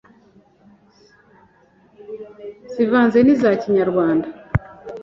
zivanze n’iza kinyarwanda